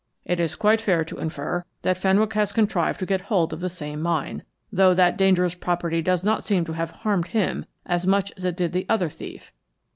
It is quite fair to infer that Fenwick has contrived to get hold of the same mine, though that dangerous property does not seem to have harmed him as much as it did the other thief.